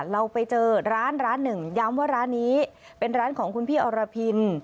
เราไปเจอร้านร้านหนึ่งย้ำว่าร้านนี้เป็นร้านของคุณพี่อรพิน